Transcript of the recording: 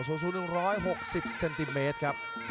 สูง๑๖๐เซนติเมตรครับ